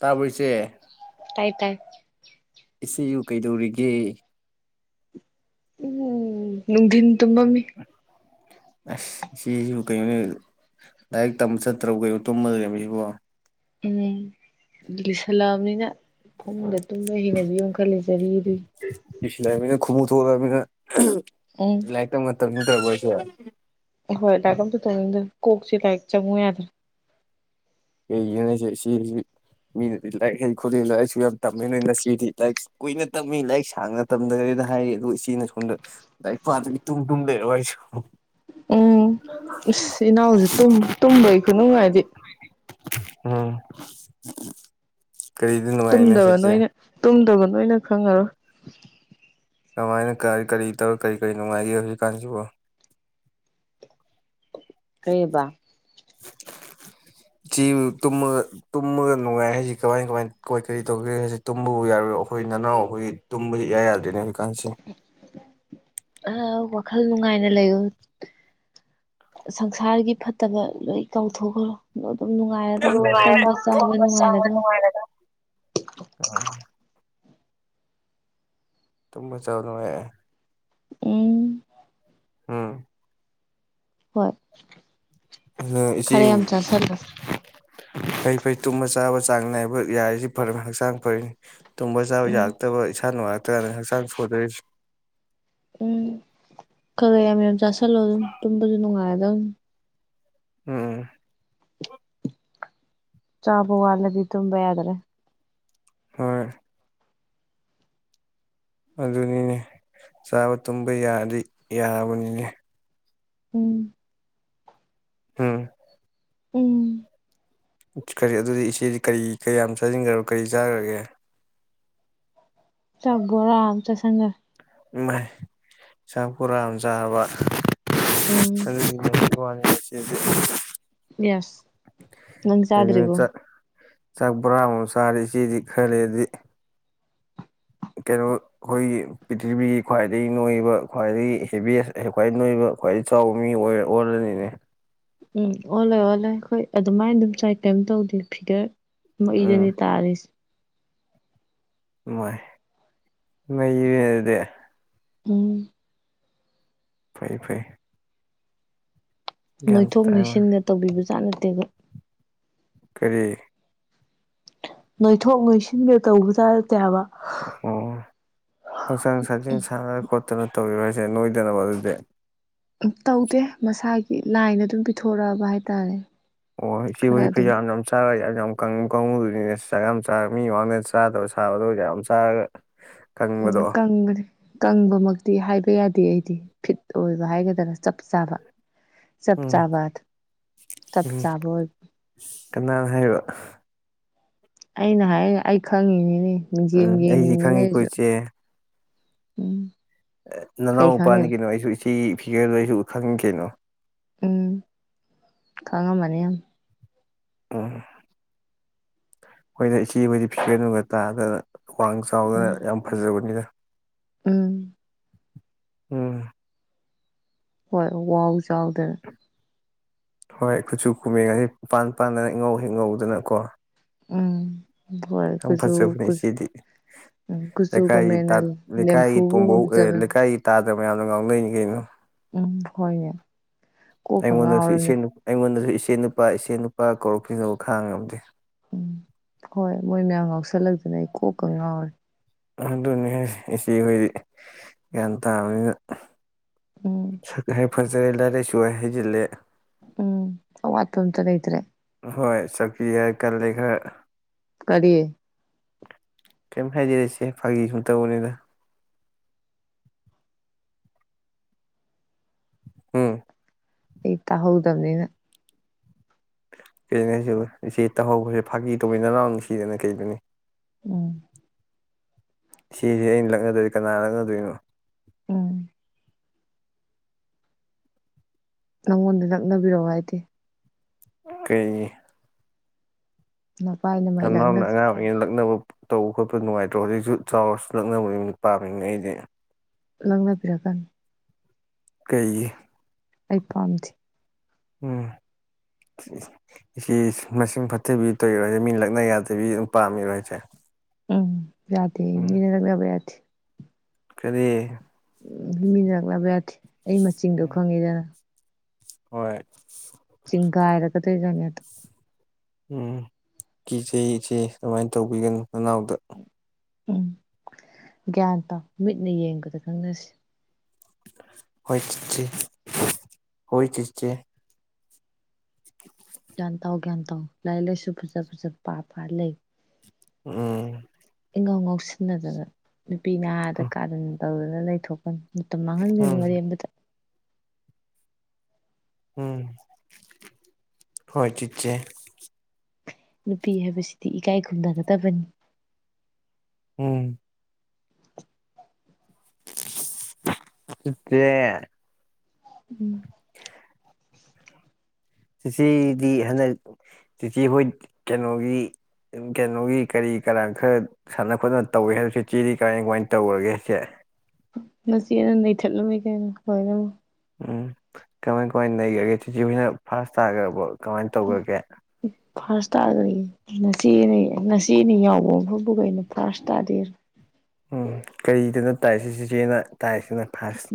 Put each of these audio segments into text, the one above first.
ꯇꯥꯁꯦ ꯇꯥꯏ ꯇꯥꯏ ꯏꯆꯦꯕꯨ ꯀꯩꯗꯧꯔꯤꯒꯦ ꯎꯝꯗꯤꯟ ꯇ ꯃꯝꯃꯤ ꯑꯁ ꯁꯤꯁꯤꯕꯨ ꯀꯩꯅꯣꯅꯤ ꯂꯥꯏꯔꯤꯛ ꯇꯝꯕ ꯆꯠꯇ꯭ꯔꯕ ꯀꯩꯩꯅꯣ ꯇꯨꯝꯃꯗꯦ ꯁꯤꯕꯨꯣ ꯎꯝ ꯑꯗꯨꯁꯂꯝꯅꯤꯅ ꯐꯃꯨꯡꯗ ꯇꯨꯝꯕ ꯍꯩꯅꯕꯤꯌꯨ ꯈꯔ ꯂꯩꯖꯔꯤ ꯑꯗꯨꯏ ꯈꯨꯃꯨꯊꯣꯗ ꯃꯤꯅ ꯏ ꯂꯥꯏꯛꯇ ꯃ ꯇꯝꯅꯤ ꯇꯔꯧꯕꯔꯁ ꯍꯣꯏ ꯥꯛꯀꯝꯁꯨ ꯊꯣꯡꯅꯤꯡꯗ꯭ꯔꯦ ꯀꯣꯛꯁꯦ ꯂꯥꯏꯔꯤꯛ ꯆꯪꯉꯨ ꯌꯥꯗ꯭ꯔꯥ ꯀꯩꯒꯤꯅ ꯍꯥꯏꯁꯦ ꯏꯆꯦꯁꯤ ꯃꯤꯅꯗꯤ ꯂꯥꯏꯔꯤꯛ ꯍꯩ ꯈꯣꯠꯂꯛ ꯂꯥꯏꯔꯤꯛꯁꯨ ꯌꯥꯝ ꯇꯝꯃꯦ ꯅꯣꯏ ꯉꯁꯤꯦꯗꯤ ꯂꯥꯏꯔꯤꯛꯁꯨ ꯀꯨꯏꯅ ꯇꯝꯃꯤ ꯂꯥꯏꯔꯤꯛ ꯁꯥꯡꯅ ꯇꯝꯗꯒꯦꯅ ꯍꯥꯏꯔꯤ ꯑꯗꯨꯗ ꯏꯆꯦꯅ ꯁꯣꯝꯗ ꯇꯥꯏ ꯄꯥ ꯑꯗꯨꯃꯤ ꯇꯨꯝ ꯇꯨꯝ ꯗꯦꯔꯋꯥꯣꯏ ꯍ ꯎꯝ ꯏꯁꯁ ꯏꯅꯥꯎꯁ ꯇꯨꯝꯕꯒꯤ ꯈꯨꯅꯨꯡꯉꯥꯏꯗꯤ ꯎꯝ ꯀꯔꯤꯗ ꯅꯨꯡꯉꯥꯏꯔꯤꯅꯣ ꯇꯨꯝꯗꯕ ꯏꯆꯦ ꯅꯣꯏꯅ ꯇꯨꯝꯗꯕꯅꯣ ꯂꯣꯏꯅ ꯈꯉꯔꯣ ꯀꯃꯥꯏꯅ ꯀ ꯀꯔꯤ ꯇꯧꯔꯤ ꯀꯔꯤ ꯀꯔꯤ ꯅꯨꯡꯉꯥꯏꯒꯦ ꯍꯧꯖꯤꯛꯀꯥꯟꯁꯤꯕꯨ ꯀꯩꯕ ꯆꯕꯨ ꯇꯨꯝꯃꯒ ꯇꯨꯝꯃꯒ ꯅꯨꯡꯉꯥꯏ ꯍꯥꯏꯁꯤ ꯀꯃꯥꯏ ꯀꯃꯥꯏ ꯀꯣꯏ ꯀꯔꯤ ꯇꯧꯒꯦ ꯍꯥꯏꯁꯤ ꯇꯨꯝꯕꯕꯨ ꯌꯥꯔꯣꯏ ꯑꯩꯈꯣꯏ ꯅꯅꯥꯎ ꯑꯩꯈꯣꯏ ꯇꯨꯝꯕꯕꯁꯤꯁꯨ ꯏꯌꯥ ꯌꯥꯗ꯭ꯔꯣꯏꯅꯦ ꯀꯥꯟꯁꯤ [inaudible] ꯋꯥꯈꯜ ꯅꯨꯡꯉꯥꯏꯅ ꯂꯩꯔꯣ ꯁꯪꯁꯥꯔꯒꯤ ꯐꯠꯇꯕ ꯂꯣꯏ ꯀꯥꯎꯊꯣꯛꯈ꯭ꯔꯣ ꯑꯗꯨꯝ ꯅꯨꯡꯉꯥꯏꯔꯗꯕꯅꯤ ꯇꯨꯝꯕ ꯆꯥꯕ ꯅꯨꯡꯉꯥꯏꯔꯗꯕꯅꯤ [unintelligible] ꯇꯃ ꯆꯉꯥꯏꯦ ꯏ ꯑꯝ ꯍꯣꯏ ꯑ ꯏꯁꯤ ꯈꯔ ꯌꯥꯝ ꯆꯥꯁꯜꯂꯣ ꯐꯩ ꯐꯩ ꯇꯨꯝꯕ ꯆꯥꯕ ꯆꯥꯡ ꯅꯥꯏꯕ ꯌꯥꯔꯤꯁꯤ ꯐꯔꯅꯤ ꯍꯛꯆꯥꯡ ꯐꯔꯅꯤ ꯇꯨꯝꯝꯕ ꯆ ꯎꯝ ꯌꯥꯖꯒ ꯇꯕ ꯆꯥ ꯑꯅ ꯍꯁꯥꯡ ꯁꯣꯗꯔꯤꯁ ꯎꯝ ꯈꯔ ꯃ ꯆꯂꯣ ꯑꯗꯨ ꯇꯁꯨꯅꯨꯡꯉꯗ ꯝ ꯎꯝ ꯆꯥꯕ ꯋꯥꯠꯂꯗꯤ ꯇꯨꯝꯕ ꯌꯥꯗ꯭ꯔꯦ ꯍ ꯑꯗꯨꯅꯤꯅꯦ ꯆꯥꯕ ꯇꯨꯝꯕ ꯌꯥꯗꯤ ꯌꯥꯕꯅꯤꯅꯦ ꯎꯝ ꯎꯝ ꯎꯝ ꯀꯔꯤ ꯑꯗꯨꯗꯤ ꯏꯆꯦꯗꯤ ꯀꯔꯤ ꯀꯌꯥꯝ ꯆꯥꯁꯤꯟꯈ꯭ꯔ ꯀꯔꯤ ꯆꯥꯈ꯭ꯔꯒꯦ ꯆꯕꯣꯔꯝ ꯆ ꯁꯒ ꯏꯃꯥꯏ ꯆꯥꯛ ꯄꯨꯔꯥ ꯑꯃ ꯆꯥꯕ ꯎꯝ ꯅꯤ ꯆꯦ ꯌꯦꯁ ꯀꯩꯅꯣ ꯅꯪꯖꯗ꯭ꯔꯤꯕꯨꯣ ꯁꯥꯥꯔꯤ ꯁꯤꯗꯤ ꯈꯔꯂꯗꯤ ꯀꯩꯅꯣ ꯑꯩꯈꯣꯏꯒꯤ ꯄ꯭ꯔꯤꯊꯤꯕꯤꯒꯤ ꯈ꯭ꯋꯥꯏꯗꯒꯤ ꯅꯣꯏꯕ ꯈ꯭ꯋꯥꯏꯗꯒꯤ ꯍꯦꯚꯁ ꯈ꯭ꯋꯥꯏꯗꯒꯤ ꯅꯣꯏꯕ ꯈ꯭ꯋꯥꯏꯗꯒꯤ ꯆꯥꯎꯕ ꯃꯤ ꯑꯣꯏ ꯑꯣꯜꯂꯅꯤꯅꯦ ꯎꯝ ꯑꯣꯜꯂꯦ ꯑꯣꯜꯂꯦ ꯑꯩꯈꯣꯏ ꯑꯗꯨꯃꯥꯏꯅ ꯑꯗꯨꯝ ꯆꯥꯏ ꯀꯩꯝ ꯇꯧꯗꯦ ꯐꯤꯒꯔ ꯃ ꯏꯗꯅꯤ ꯎꯝ ꯇꯥꯔꯤꯁꯤ ꯃꯣꯏ ꯃꯩ ꯑꯗꯨꯗꯤ ꯎꯝ ꯐꯩ ꯐꯩ ꯒ꯭ꯌꯥꯟ ꯅꯣꯏꯊꯣꯛ ꯇꯥꯏ ꯅꯣꯏꯁꯤꯟꯒ ꯇꯧꯕꯤꯕꯖꯥꯠꯅꯀ ꯕ ꯀꯔꯤ ꯅꯣꯏꯊꯣꯛ ꯅꯣꯏꯁꯤꯟꯒꯦ ꯇꯧꯕ ꯇꯥꯔ ꯇꯦꯕ ꯑꯣ ꯍꯛꯆꯥꯡ ꯁꯥꯖꯦꯟ ꯁꯥꯟꯅ ꯈꯣꯠꯇꯅ ꯇꯧ ꯍꯥꯏꯁꯦ ꯅꯣꯏꯗꯅꯕ ꯑꯗꯨꯗꯤ ꯎ ꯇꯧꯗꯦ ꯃꯁꯥꯒꯤ ꯂꯥꯏꯅ ꯑꯗꯨꯝ ꯄꯤꯊꯣꯔꯛꯑꯕ ꯍꯥꯏꯇꯥꯔꯦ ꯑꯣ ꯁꯤꯆꯕꯨ ꯈꯔ ꯑꯗꯨꯝ ꯐꯩꯖ ꯌꯥꯝꯅꯝ ꯆꯥꯔ ꯌꯥꯝꯉꯨ ꯀꯪꯉꯨꯗꯨꯅꯤꯅꯦ ꯆꯥꯛ ꯌꯥꯝ ꯆꯥ ꯃꯤ ꯃꯃꯥꯡꯗ ꯆꯥꯗꯕ ꯁꯥꯕꯗꯣ ꯌꯥꯝ ꯆꯥꯔꯒ ꯎꯝ ꯀꯪꯕꯗꯣ ꯀꯪꯕꯃꯛꯇꯤ ꯍꯥꯏꯕ ꯌꯥꯗꯦ ꯑꯩꯗꯤ ꯐꯤꯠ ꯑꯣꯏꯕ ꯍꯥꯏꯒꯗ꯭ꯔꯥ ꯆꯞ ꯆꯥꯕ ꯆꯞ ꯎꯝ ꯆꯕ ꯆꯞ ꯆꯕ ꯀꯅꯥ ꯍꯥꯏꯕ ꯑꯩꯅ ꯍꯥꯏ ꯑꯩ ꯈꯪꯉꯤꯅꯤꯅꯦ ꯃꯤꯡꯖꯦꯜ ꯎꯝ ꯑꯩꯗꯤ ꯌꯦꯡꯉꯤꯕꯅꯤꯅ ꯈꯪꯉꯤꯀꯣ ꯑꯩꯁꯨ ꯎꯝ ꯀꯩ ꯅꯥꯅꯥꯎꯄꯥꯅꯤ ꯈꯪꯉꯦꯕ ꯀꯩꯅꫭ ꯑꯩꯁꯨ ꯏꯆꯦ ꯁꯤ ꯐꯤꯒꯔꯗꯣ ꯑꯩꯁꯨ ꯈꯪ ꯀꯩꯅꯣ ꯎꯝ ꯈꯥꯉ ꯃꯅꯤ ꯌꯥꯝ ꯌꯥꯝ ꯑ ꯑꯩꯈꯣꯏꯅ ꯏꯆꯦꯕꯨꯣꯏꯗꯤ ꯐꯤꯒꯔ ꯅꯨꯡꯒ ꯇꯥꯗꯅ ꯋꯥꯡ ꯆꯥꯎꯗꯅ ꯎꯝ ꯌꯥꯝ ꯐꯖꯕꯅꯤꯅ ꯎꯝ ꯎꯝ ꯍꯣꯏ ꯋꯥꯎ ꯆꯥꯎꯗ ꯍꯣꯏ ꯀꯨꯆꯨ ꯀꯨꯃꯦꯟ ꯑꯁꯤꯄꯥꯟ ꯄꯥꯟꯗꯅ ꯏꯪꯉꯧ ꯍꯤꯡꯉꯧꯗꯅꯀꯣ ꯎꯝ ꯍꯣꯏ ꯀꯨꯖꯨꯨ ꯐꯖꯕꯅꯦ ꯏꯆꯦꯗꯤ ꯂꯩꯀꯥꯏꯒꯤ ꯒꯨꯖꯨꯒꯨꯝꯃꯦꯅ ꯂꯦꯝꯐꯨꯕꯨ ꯉꯨꯝꯝꯖꯕꯅꯤ ꯑ ꯃꯌꯥꯝꯗ ꯉꯥꯡꯅ ꯀꯩꯅꯨ ꯎꯝ ꯍꯣꯏ ꯌꯥ ꯑꯩꯉꯣꯟꯗꯥ ꯁꯨ ꯏꯆꯦ ꯅ ꯏꯆꯦ ꯅꯨꯄꯥ ꯏꯆꯦ ꯅꯨꯄꯥ ꯀꯧꯔꯛꯈꯤꯕꯗꯣ ꯈꯥꯡꯉꯝꯗꯦ ꯎꯝ ꯍꯣꯏ ꯃꯣꯏ ꯃꯌꯥꯝ ꯉꯥꯎꯁꯜꯂꯛꯇꯅ ꯑꯩ ꯀꯣꯛꯀ ꯉꯥꯎꯔꯦ ꯑꯗꯨꯅꯤ ꯏꯆꯦ ꯑꯩꯈꯣꯏꯗꯤ ꯒ꯭ꯌꯥꯟ ꯇꯥꯕꯅꯤꯅ ꯎꯝ ꯀꯦ ꯐꯖꯔꯦ ꯂꯥꯏ ꯂꯥꯏ ꯁꯁꯨꯍꯥꯏ ꯍꯩꯖꯤꯜꯂꯦ ꯎꯝ ꯑꯋꯥ ꯇꯟ ꯆꯅꯇ꯭ꯔꯦ ꯍꯣꯏ ꯆꯠꯄꯤꯦ ꯀꯂꯦ ꯈꯔ ꯀꯔꯤꯑꯦ ꯀꯩꯝ ꯍꯥꯏꯖꯔꯤꯁꯦ ꯐ ꯁ ꯇꯧꯕꯅꯤꯗ ꯎꯝ ꯑꯩ ꯇꯥꯍꯧꯗꯕꯅꯤꯅ ꯀꯩꯅꯁꯨ ꯏꯆꯦ ꯇꯥꯍꯧꯕꯁꯦ ꯐꯥꯀꯤ ꯇꯧꯃꯤꯟꯅꯔꯎ ꯅꯨꯡꯁꯤꯗꯅ ꯀꯩꯗꯅꯤ ꯎꯝ ꯁꯤꯁꯦ ꯑꯩꯅ ꯂꯛꯅꯗꯣꯏꯔꯤ ꯀꯅꯥ ꯂꯛꯅꯗꯣꯏꯅꯣ ꯎꯝ ꯅꯪꯉꯣꯟꯗ ꯅꯛꯅꯕꯤꯔꯛꯑꯣ ꯍꯥꯏꯗꯤꯦ ꯀꯩ ꯅꯄꯥꯏꯅ ꯅ ꯃꯥꯏ ꯂꯛꯅ ꯅꯎꯅ ꯑꯉꯥꯡ ꯑꯣꯏꯔꯤꯉꯩ ꯅꯛꯅꯕ ꯇꯧꯕ ꯈꯣꯠꯄ ꯅꯨꯡꯉꯥꯏꯇ꯭ꯔꯣ ꯍꯧꯖꯤꯛꯁꯨ ꯆꯥꯎꯔꯁꯨ ꯅꯛꯅꯕꯒꯤ ꯄꯥꯝꯃꯤꯅꯦ ꯑꯩꯗꯤ ꯂꯪꯅꯥ ꯄꯤꯌꯥꯀ ꯀꯩ ꯑꯩ ꯄꯥꯝꯗꯦ ꯎꯝ ꯁꯤ ꯃꯁꯤꯡ ꯐꯠꯇꯕꯤ ꯇꯣꯏꯔꯣꯏꯁꯦ ꯃꯤꯅ ꯂꯛꯅ ꯌꯥꯗꯕꯤ ꯑꯗꯨꯝ ꯄꯥꯝꯃꯤꯔꯣꯁꯦ ꯎꯝ ꯌꯥꯗꯦ ꯃꯤꯅꯦꯔꯒꯕ ꯌꯥꯗꯤ ꯀꯔꯤ ꯎ ꯃꯤꯖꯒꯂꯕꯊ ꯑꯩ ꯃꯆꯤꯟꯗꯣ ꯈꯪꯉꯤꯗꯅ ꯍꯣꯏ ꯆꯤꯡꯒꯥꯏꯔꯒꯗꯣꯏꯖꯥꯠꯅꯤ ꯑꯗꯣ ꯎꯝ ꯀꯤꯆ ꯏꯆꯦ ꯀꯃꯥꯏꯅ ꯇꯧꯕꯤꯒꯅꯨ ꯅꯅꯥꯎꯗ ꯎꯝ ꯒ꯭ꯌꯥꯟ ꯇꯥ ꯃꯤꯠꯅ ꯌꯦꯡꯕꯗ ꯈꯪꯅꯁꯤ ꯍꯣꯏ ꯆꯠꯁꯤ ꯍꯣꯏ ꯆꯠꯁꯤꯦ ꯒ꯭ꯌꯥꯟ ꯇꯥ ꯒ꯭ꯌꯥꯟ ꯇꯥ ꯂꯥꯏꯔꯤꯛ ꯂꯥꯏꯁꯨ ꯐꯖ ꯐꯖ ꯄꯥ ꯄꯥ ꯂꯩ ꯎꯝ ꯉꯥꯎ ꯉꯥꯎ ꯁꯤꯟꯅꯅꯖꯒꯅ ꯅꯨꯄꯤ ꯅꯍꯥꯗ ꯀꯥꯗ ꯇꯧꯔꯅ ꯂꯩꯊꯣꯛꯀꯅꯤ ꯃꯇꯝ ꯃꯥꯡꯍꯟꯒꯅ ꯎꯝ ꯋꯥꯔꯤꯔꯕꯗ ꯎꯝ ꯍꯣꯏ ꯆꯠ ꯆꯦ ꯅꯨꯄꯤ ꯍꯥꯏꯕꯁꯤꯗꯤ ꯏꯀꯥꯏ ꯈꯨꯝꯅꯒꯗꯕꯅꯤ ꯎꯝ ꯁꯤꯠꯇꯦ ꯎꯝ ꯆꯤꯆꯦꯗꯤ ꯍꯟꯗꯛ ꯆꯤꯆꯦ ꯍꯣꯏ ꯀꯩꯅꯣꯒꯤ ꯀꯩꯅꯣꯒꯤ ꯀꯔꯤ ꯀꯔꯥꯟ ꯈꯔ ꯁꯥꯟꯅ ꯈꯣꯠꯅ ꯇꯧꯏꯤ ꯍꯥꯏꯕ ꯆꯤꯆꯦꯗꯤ ꯀꯃꯥꯏ ꯀꯃꯥꯏꯅ ꯇꯧꯔꯒꯦꯁꯦ ꯉꯁꯤ ꯑꯅ ꯅꯩꯊꯠꯂꯝꯃꯤ ꯀꯩꯅꯣ ꯂꯣꯏꯅꯃ ꯎꯝ ꯀꯃꯥꯏ ꯀꯃꯥꯏꯅ ꯂꯩꯒ꯭ꯔꯒꯦ ꯆꯤꯆꯤ ꯍꯣꯏꯅ ꯐꯥꯔꯥꯁ ꯇꯥꯈꯕ ꯀꯃꯥꯏꯅ ꯇꯧꯒꯒꯦ ꯐꯥꯔꯁ ꯇꯥꯗ꯭ꯔꯤꯌꯦ ꯉꯆꯦꯅꯤ ꯉꯆꯦꯅꯤ ꯌꯥꯎꯕ ꯃꯐꯝꯗꯨ ꯀꯩꯅ ꯐꯥꯔꯁ ꯇꯥꯗꯦꯔ ꯎꯝ ꯀꯔꯤꯗꯅ ꯇꯥꯏ ꯁꯤ ꯁꯤꯆꯦꯅ ꯇꯥꯏꯁꯤꯅ ꯐꯥꯔꯁꯤ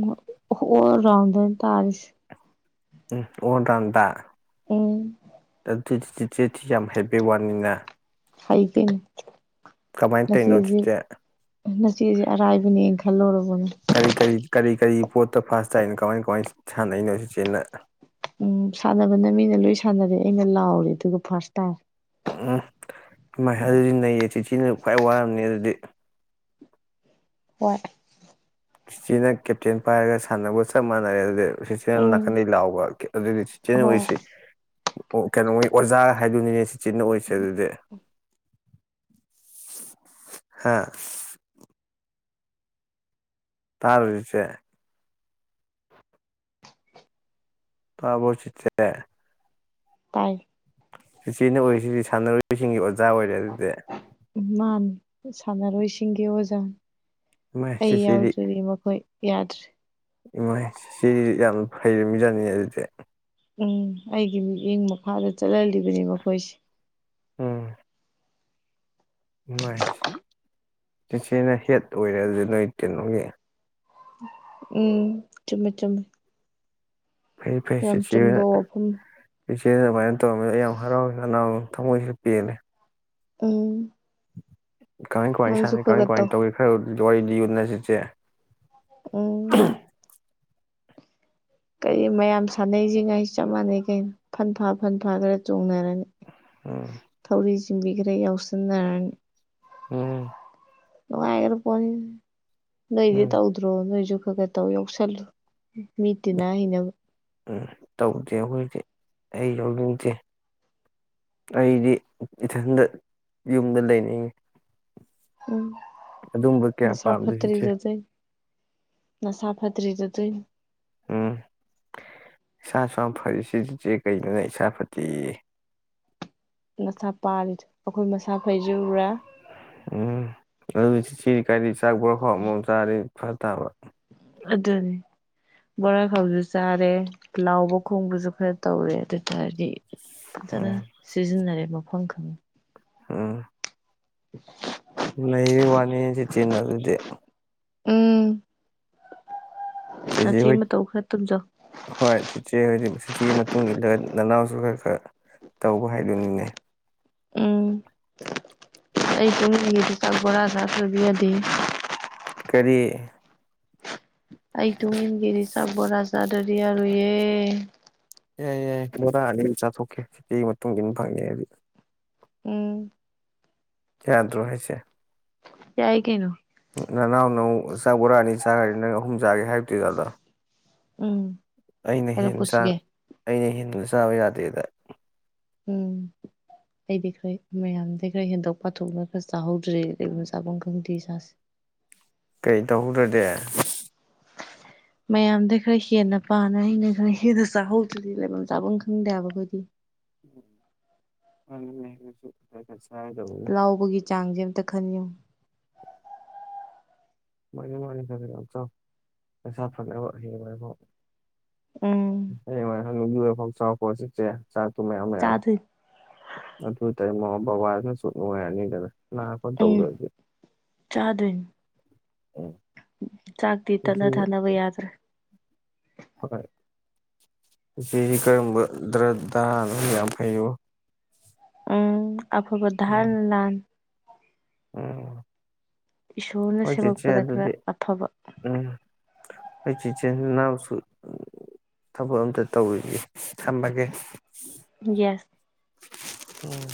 ꯑꯣ ꯔꯥꯎꯗ ꯇꯔꯁ ꯎꯝ ꯑꯣꯟ꯭ꯔꯗ ꯎ ꯗꯤ ꯊꯤ ꯌꯥꯝ ꯍꯩ ꯋꯥꯔꯅꯤꯅ ꯍꯥꯏ ꯀꯅꯦ ꯇꯧꯔꯤꯅꯣ ꯉꯆꯦꯁꯤꯦ ꯆꯤꯆꯦ ꯉꯆꯦꯁꯤꯦ ꯑꯔꯥꯏꯕꯅꯦꯅ ꯈꯜꯂꯨꯔꯕꯅꯦ ꯀꯔꯤ ꯀꯔꯤ ꯀꯔꯤ ꯀꯔꯤ ꯄꯣꯠꯇ ꯐꯥꯥꯁ ꯇꯥꯏꯣ ꯀꯃꯥꯏ ꯀꯃꯥꯏ ꯁꯥꯟꯅꯩꯅꯣ ꯁꯤꯆꯦꯟꯅ ꯎꯝ ꯁꯥꯟꯅꯕꯅ ꯃꯤꯅ ꯂꯣꯏ ꯁꯥꯟꯅꯔꯦ ꯑꯩꯅ ꯂꯥꯎꯔꯦ ꯑꯗꯨꯒ ꯐꯥꯔꯁ ꯇꯥꯏꯝ ꯎꯝ ꯎꯝ ꯏꯃꯥꯏ ꯑꯗꯨꯗꯤ ꯅꯩꯌꯦ ꯆꯤꯆꯤꯅ ꯈ꯭ꯋꯥꯏ ꯋꯥꯔꯝꯅꯤ ꯑꯗꯨꯗꯤ ꯍꯏ ꯈ꯭ꯔꯤꯁꯇꯤꯅ ꯀꯦꯞꯇꯦꯟ ꯄꯥꯏꯔꯒ ꯁꯥꯟꯅꯕꯒ ꯆꯞ ꯃꯥꯟꯅꯔꯦ ꯑꯗꯨꯗꯤ ꯁꯤ ꯆꯟꯅꯦꯜ ꯎꯝ ꯅꯥꯀꯟꯗꯗꯒꯤ ꯂꯥꯎꯕ ꯑꯗꯨꯗꯤ ꯁꯤꯆꯟꯅ ꯍꯣꯏ ꯑꯣꯏꯁꯦ ꯀꯩꯅꯣꯒꯤ ꯑꯣꯖꯥꯒ ꯍꯥꯏꯗꯨꯅꯤꯅꯦ ꯁꯤꯆꯤꯟꯅ ꯑꯣꯏꯁꯦ ꯑꯗꯨꯗꯤ ꯍꯥ ꯇꯁꯦ ꯄꯥꯕꯣꯁꯤꯠꯇꯦ ꯇꯥꯏ ꯁꯤꯆꯦꯅ ꯑꯣꯏꯔꯤꯁꯤꯗꯤ ꯁꯥꯟꯅꯔꯣꯏꯁꯤꯡꯒꯤ ꯌꯥ ꯑꯣꯏꯗ ꯑꯗꯨꯗꯤ ꯁꯥꯟꯅꯔꯣꯏ ꯁꯤꯁꯤꯡꯒꯦ ꯑꯣꯖ ꯏꯃꯥꯏ ꯑꯩ ꯌꯥꯎꯖꯔꯤ ꯃꯈꯣꯏ ꯌꯥꯗ꯭ꯔꯦ ꯏꯃꯣꯏ ꯁꯤ ꯌꯥꯝ ꯐꯩꯔꯃꯤꯖꯥꯠꯅꯤ ꯑꯗꯨꯗꯤ ꯎꯝ ꯑꯩꯒꯤ ꯃꯤꯠꯌꯦꯡ ꯃꯈꯥꯗ ꯆꯠꯍꯜꯂꯤꯕꯅꯤ ꯃꯈꯣꯏꯁꯦ ꯎꯝ ꯣꯏ ꯏꯤꯆꯦꯅ ꯍꯦꯠ ꯑꯣꯏꯔꯗꯤ ꯅꯣꯏ ꯀꯩꯅꯣꯒꯤ ꯎꯝ ꯆꯨꯝꯃꯦ ꯆꯨꯝꯃꯦꯃꯦ ꯌꯥꯝ ꯆꯨꯝꯕ ꯋꯥꯐꯝ ꯏꯆꯦ ꯑꯗꯨꯃꯥꯏꯅ ꯇꯧꯔꯝꯃꯤꯗ ꯌꯥꯝ ꯍꯔꯥꯎꯅꯥ ꯊꯝꯃꯣꯏꯁꯨ ꯄꯦꯜꯜꯂꯤꯦ ꯎꯝ ꯀꯃꯥꯏ ꯀꯃꯥꯏꯅ ꯅꯪꯁꯨ ꯁꯥꯟꯅ ꯀꯃꯥꯏ ꯈꯔ ꯈꯔ ꯀꯃꯥꯏꯅ ꯇꯧ ꯇꯧꯒꯦ ꯈꯔ ꯂ ꯋꯥꯔꯤ ꯂꯤꯅꯁꯤꯁꯦ ꯎ ꯀꯔꯤ ꯃꯌꯥꯝ ꯁꯥꯟꯅꯩꯁꯤ ꯉꯥꯏꯁꯤ ꯆꯞ ꯃꯥꯟꯅꯩ ꯀꯩꯅꯣ ꯐꯟ ꯐꯥ ꯐꯟ ꯐꯥ ꯈꯔ ꯆꯣꯡꯅꯔꯅꯤ ꯎꯝ ꯊꯧꯔꯤꯁꯤ ꯇꯕꯤꯒ꯭ꯔꯎꯁꯗꯅꯤ ꯎꯝ ꯅꯨꯡꯉꯥꯏꯔꯄꯅꯤ ꯅꯣꯏꯗꯤꯦ ꯎꯝ ꯇꯧꯗ꯭ꯔꯣ ꯅꯣꯏꯖ ꯐꯒꯗꯧ ꯌꯥꯎꯁꯜꯂꯨ ꯃꯤ ꯇꯤꯟꯅꯥ ꯍꯅꯕ ꯎꯝ ꯇꯧꯗꯦ ꯍꯧꯈꯖꯤꯛꯇꯤ ꯑꯩ ꯌꯥꯎꯅꯤꯡꯗꯦ ꯑꯩꯗꯤ ꯏꯊꯟꯗ ꯌꯨꯝꯗ ꯂꯩꯅꯤꯡꯉꯤ ꯎꯝ ꯑꯗꯨꯝꯕ ꯀꯌꯥ ꯄꯥꯝꯗꯣꯏ ꯏꯁꯦ ꯅ ꯁꯥ ꯐꯇꯔꯤꯗꯨ ꯇꯏ ꯎꯝ ꯏꯁꯥꯁꯨ ꯌꯥꯝ ꯐꯩ ꯁꯤꯆꯦ ꯀꯩꯅꯣꯅꯦ ꯏꯁꯥ ꯐꯠꯇꯦ ꯃꯁꯥ ꯄꯥꯜꯂꯤꯗ ꯑꯩꯈꯣꯏ ꯃꯁꯥ ꯐꯩꯖꯨꯔꯦ ꯎꯝ ꯑ ꯀꯥꯏꯅꯤ ꯆꯥꯛ ꯕꯣꯔꯥ ꯈꯣꯡꯝ ꯆꯥꯔꯅꯤ ꯐ ꯇꯥꯕ ꯑꯗꯨꯅꯤ ꯕꯣꯔꯥ ꯈꯥꯎꯁꯨ ꯆꯥꯔꯦ ꯂꯥꯎꯕ ꯈꯣꯡꯕꯁꯨ ꯈꯔ ꯇꯧꯔꯦ ꯑꯗꯨ ꯇꯔꯗꯤ ꯖꯅ ꯎꯝ ꯁꯤꯖꯟꯔꯦ ꯃꯐꯝ ꯈꯪ ꯑꯥ [unintelligible] ꯂꯩꯕ ꯋꯥꯅꯤꯁ ꯆꯦꯟꯅ ꯑꯗꯨꯗꯤꯦ ꯎꯝ ꯇꯁ ꯅꯆꯦ ꯍ ꯃꯇꯧ ꯈꯔ ꯇꯝꯖꯧ ꯍꯣꯏ ꯇꯇ ꯍꯗꯤ ꯑꯗꯨꯤ ꯃꯇꯨꯡ ꯏꯜꯂꯒ ꯅꯅꯥꯎꯁꯨ ꯈꯔ ꯈꯔ ꯇꯧꯕ ꯍꯥꯏꯗꯣꯏꯅꯤꯅꯦ ꯎꯝ ꯑꯩ ꯆꯨꯝꯗꯤ ꯆꯥꯛ ꯕꯣꯔꯥ ꯁꯥꯇꯕꯤꯔꯗꯤ ꯀꯔꯤ ꯑꯩ ꯇ ꯍꯒꯦꯔꯤꯁ ꯆꯕꯥꯖꯥ ꯗꯔꯤꯌꯥ ꯇꯨꯏꯦ ꯌꯥꯏ ꯌꯥꯏ ꯀ ꯇꯥꯛꯑꯅꯤ ꯑꯗꯨꯝ ꯆꯥꯊꯣꯛꯀꯦꯒꯤ ꯃꯇꯨꯡ ꯏ ꯑꯗꯨ ꯐꯪꯉꯦ ꯍꯥꯏꯗꯤ ꯎꯝ ꯈꯌꯥꯗ ꯔꯍꯤꯁ ꯌꯥꯏ ꯀꯩꯅꯣ ꯅꯅꯥꯎ ꯅꯪ ꯆꯥꯛ ꯣꯔꯛꯑꯅꯤ ꯆꯥꯈꯅꯤ ꯅꯪ ꯑꯍꯨꯝ ꯆꯥꯒꯦ ꯍꯥꯏꯕꯗꯨꯣꯏꯖꯥꯗ ꯎꯝ ꯑꯩꯅ ꯍꯦꯟ ꯆ ꯍꯥꯏꯔꯛꯄꯁꯨ ꯌꯥꯏ ꯑꯩꯅ ꯍꯦꯟꯕ ꯆꯕ ꯌꯥꯗꯗ ꯎꯝ ꯑꯩꯗꯤ ꯈꯔ ꯃꯌꯥꯝꯗꯤ ꯈꯔ ꯍꯦꯟꯗꯣꯛ ꯄꯥꯊꯣꯛꯅ ꯈꯔ ꯆꯥꯍꯧꯗ꯭ꯔꯦ ꯀꯩꯒꯨꯝꯕ ꯆꯥꯐꯝ ꯈꯪꯗꯦ ꯏꯁꯥꯁꯦ ꯀꯩ ꯇꯍꯧꯗ ꯗꯦ ꯃꯌꯥꯝꯗ ꯈꯔ ꯍꯦꯟꯅ ꯄꯥꯅ ꯑꯩꯅ ꯈꯔ ꯍꯦꯟꯅ ꯆꯥꯍꯧꯗ꯭ꯔꯗꯤ ꯂꯩꯐꯝ ꯆꯥꯐꯝ ꯈꯪꯗꯦꯕꯈꯣꯏꯗꯤ ꯎꯁꯨ ꯂꯥꯎꯕꯒꯤ ꯆꯥꯡꯁꯦ ꯑꯝꯇ ꯈꯟꯉꯌꯨ ꯃꯥꯅꯤ ꯃꯥꯅꯤ ꯐꯖꯅ ꯑꯆꯧ ꯄꯩꯁꯥ ꯐꯪꯕ ꯍꯌꯦꯉꯕ ꯎꯝ ꯍ ꯃꯥ ꯐ ꯆꯥꯎꯣꯁꯦ ꯆꯦ ꯆꯥꯛꯇꯨ ꯃꯌꯥꯝ ꯃꯌꯥꯝ ꯆꯥꯗꯣꯏꯅꯤ ꯑꯗꯨ ꯇꯃꯣ ꯕꯕꯥꯔꯅ ꯁꯨꯠꯅꯨꯡ ꯍꯥꯏꯅꯤꯗꯦ ꯎꯝ ꯆꯥꯗꯅꯤ ꯎꯝ ꯆꯥꯛꯇꯤ ꯇꯠꯅ ꯊꯥꯅꯕ ꯌꯥꯗ꯭ꯔꯦ ꯐꯀꯣꯏ ꯁꯤꯁꯤ ꯀꯔꯝꯕ ꯗ꯭ꯔꯗꯅ ꯌꯥꯝ ꯐꯩꯣ ꯑꯐꯕꯙꯥꯟ ꯂꯥꯟ ꯎꯝ ꯏꯁꯣꯔꯅ ꯍꯣꯏ ꯆꯦꯆꯦ ꯁꯦꯝꯃꯛꯄꯗ ꯈꯔ ꯑꯐꯕ ꯑꯩꯈꯆꯤꯟꯆꯤꯟꯅꯥꯎꯁꯨ ꯊꯕꯛ ꯑꯝꯇ ꯇꯧꯔꯤꯒꯦ ꯊꯝꯃꯒꯦ ꯌꯦꯁ ꯎꯝ